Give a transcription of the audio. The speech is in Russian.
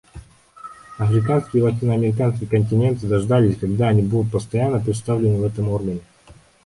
Африканский и латиноамериканский континенты заждались, когда они будут постоянно представлены в этом органе.